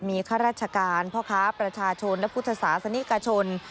มีข้าราชการพ่อค้าประชาชนและพุทธศาสนิกชน